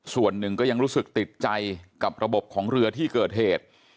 ส่วนหนึ่งก็ยังรู้สึกติดใจกับระบบของเรือที่เกิดเหตุ